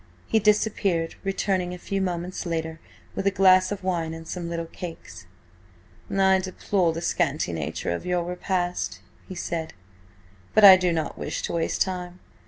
He disappeared, returning a few moments later with a glass of wine and some little cakes. "I deplore the scanty nature of your repast," he said. "But I do not wish to waste time.